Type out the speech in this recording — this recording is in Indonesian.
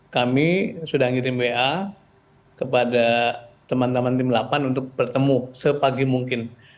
kami sudah ngirim wa kepada teman teman tim delapan untuk bertemu sepagi mungkin